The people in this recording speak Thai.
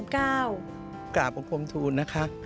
กราบบังคมทูลนะคะ